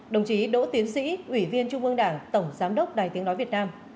đồng chí đỗ tiến sĩ ủy viên trung ương đảng tổng giám đốc đài tiếng nói việt nam